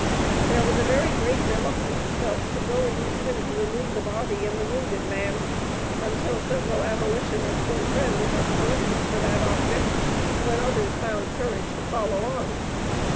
There was a very great reluctance felt to going even to remove the body and the wounded man, until several abolitionists and Friends had collected for that object, when others found courage to follow on.